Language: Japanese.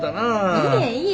いえいえ。